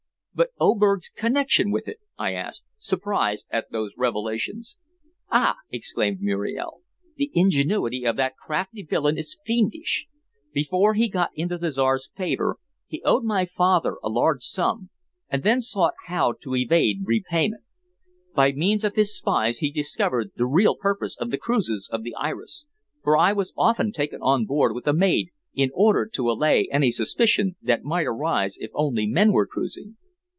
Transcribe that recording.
"But Oberg's connection with it?" I asked, surprised at those revelations. "Ah!" exclaimed Muriel. "The ingenuity of that crafty villain is fiendish. Before he got into the Czar's favor he owed my father a large sum, and then sought how to evade repayment. By means of his spies he discovered the real purpose of the cruises of the Iris for I was often taken on board with a maid in order to allay any suspicion that might arise if only men were cruising.